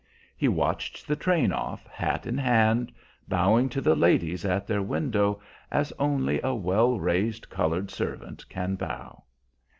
He watched the train off, hat in hand, bowing to the ladies at their window as only a well raised colored servant can bow.